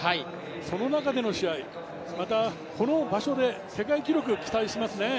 その中での試合、またこの場所で世界記録、期待しますね。